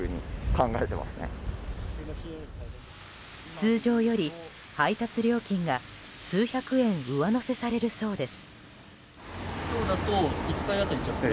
通常より配達料金が数百円上乗せされるそうです。